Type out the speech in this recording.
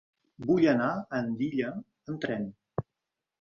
Vull anar a Andilla amb tren.